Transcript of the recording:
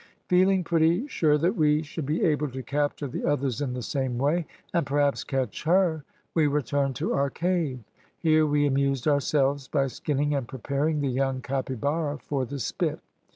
Feeling pretty sure that we should be able to capture the others in the same way, and perhaps catch her, we returned to our cave. Here we amused ourselves by skinning and preparing the young capybara for the spit.